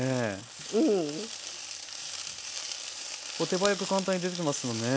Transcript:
手早く簡単に出来ますよね。